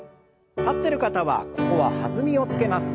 立ってる方はここは弾みをつけます。